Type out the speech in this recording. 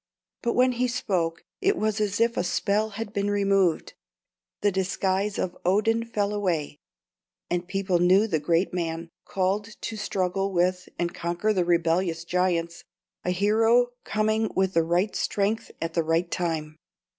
But when he spoke, it was as if a spell had been removed; the disguise of Odin fell away, and people knew the Great Man, called to struggle with and conquer the rebellious giants a hero coming with the right strength at the right time.